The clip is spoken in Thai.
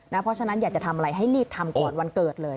เพราะฉะนั้นอยากจะทำอะไรให้รีบทำก่อนวันเกิดเลย